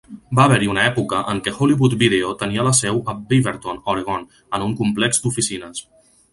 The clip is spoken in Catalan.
Va haver-hi una època en què Hollywood Video tenia la seu a Beaverton (Oregon), en un complex d'oficines.